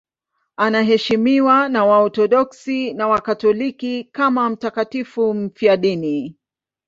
Anaheshimiwa na Waorthodoksi na Wakatoliki kama mtakatifu mfiadini.